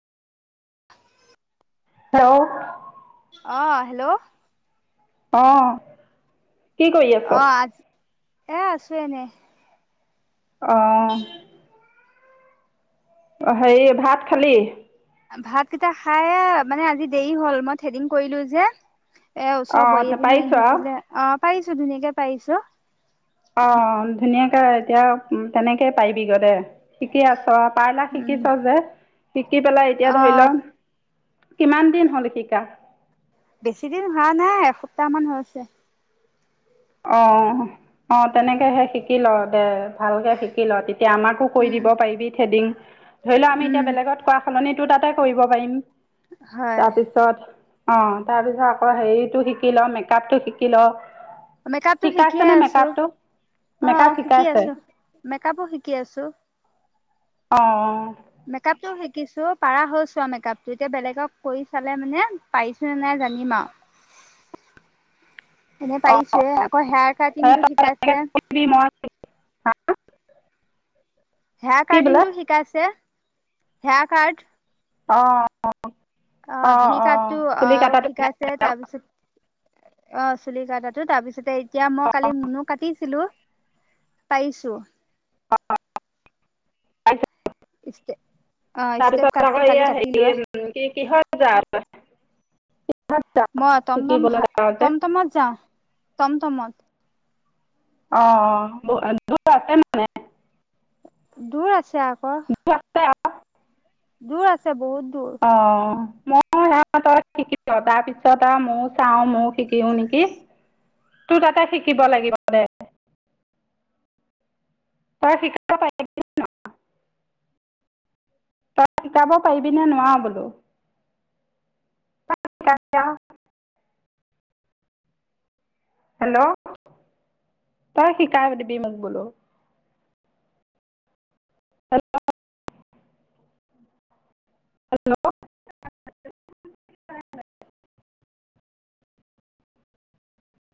Hello অ hello আহ কি কৰি আছ? অঁ আজ এ আছো এনে। অহ অ হেৰি ভাত খালি? ভাত কেইটা খাই মানে আজি দেৰি হ'ল মই থেডিং কৰিলো যে। এ অ ওচৰৰ বোৱাৰী এজনী পাৰিছ আৰু আহিছিলে অ। পাৰিছো ধুনীয়াকে পাৰিছো। অ ধুনীয়াকে এতিয়া উম তেনেকেই পাৰিবিগে দে। শিকি আছ পাৰলা উম শিকিছ যে শিকি পেলাই এতিয়া ধৰি অঁ ল কিমান দিন হ'ল শিকা? বেছি দিন হোৱা নাই এসপ্তাহ মান হৈছে। অ অ তেনেকেহে শিকি ল দে। ভালকে শিকি ল তেতিয়া আমাকো কৈ উম দিব পাইবি থেডিং। ধৰি লও আমি তিয়া উম বেলেগত কৰা সলনি টো তাতে কৰিব পাৰিম। হয় তাৰপিছত অ তাৰ পিছত আকৌ হেৰিটো শিকি ল, মেকআপটো শিকি ল। মেকআপটো শিকিয়ে শিকাইছেনে আছো, মেকআপটো অ মেকআপ শিকি শিকাইছে আছো, মেকআপো শিকি আছো। অ-অ মেকআপটো শিকিছো। পাৰা হৈছো আউ মেকআপটো এতিয়া বেলেগক কৰি চালে মানে পাইছো নে নাই জানিম আউ। এনে অঁ অঁ পাৰিছোয়ে, অঁ আকৌ হেয়াৰ সেই তই কাটিংটো তেনেকৈ শিকাইছে। কৰিবি মই হেয়াৰ কি বোলে কাৰ্টিঙটো শিকাইছে, হেয়াৰ কাৰ্ড, অ অ ভি কাতটো অ কটাটো শিকাইছে তাৰপিছত অ চুলি কাটাটো তাৰপিছতে এ এতিয়া মই অঁ কালি মুনো কাটিছিলো, পাৰিছো। [unintelligible] অ ষ্টেপ তাৰপিছত আকৌ কাটটো কালি এয়া কাটি লোৱা হেৰি কি-কি কিহত যাৱ তই? মই তম-তম ভ যাৱ যে তম-তমত যাওঁ৷ তম-তমত আহ দ আছেতে মানে [unintelligible] দূৰ আছে আকৌ। দূৰ আছে দূৰ আছে বহুত দূৰ অ। মই সহতই শিকি তাৰ পিছত আৰু ময়ো চাওঁ ময়ো শিকিও নেকি? তোৰ তাতে শিকিব লাগিব দে [unintelligible] তই শিকাব পাৰিবি? তই শিকাব পাৰিবিনে নোৱাৰ বোলো? আ আা [unintelligible] হেল্ল', তই শিকাই দিবি মোক বোলো, হেলল' [unintelligible]